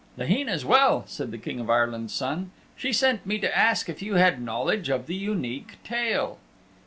"Laheen is well," said the King of Ireland's Son. "She sent me to ask if you had knowledge of the Unique Tale."